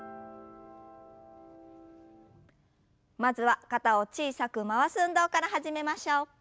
まずは肩を小さく回す運動から始めましょう。